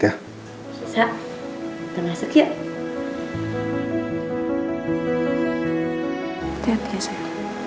jaga kesehatan kamu